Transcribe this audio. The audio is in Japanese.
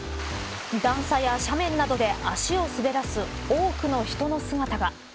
段差や斜面などで足を滑らす多くの人の姿が。